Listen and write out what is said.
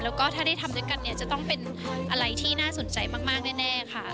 แล้วก็ถ้าได้ทำด้วยกันเนี่ยจะต้องเป็นอะไรที่น่าสนใจมากแน่ค่ะ